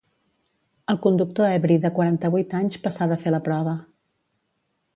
El conductor ebri de quaranta-vuit anys passà de fer la prova.